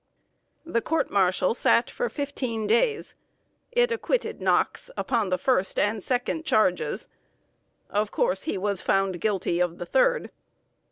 The court martial sat for fifteen days. It acquitted Knox upon the first and second charges. Of course, he was found guilty of the third.